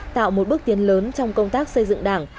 tạo một bước tiến lớn trong công tác xây dựng đảng